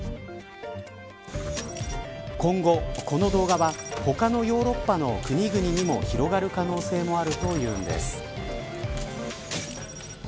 今後、この動画は他のヨーロッパの国々にも広がる可能性もあるというんです。